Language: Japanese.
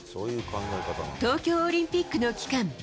東京オリンピックの期間